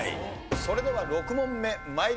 それでは６問目参りましょう。